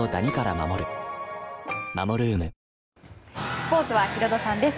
スポーツはヒロドさんです。